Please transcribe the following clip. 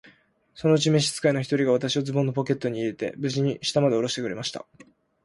そのうちに召使の一人が、私をズボンのポケットに入れて、無事に下までおろしてくれました。